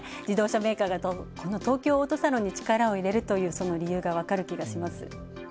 自動車メーカーが東京オートサロンに力を入れるというその理由が分かる気がします。